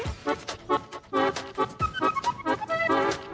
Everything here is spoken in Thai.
สวัสดี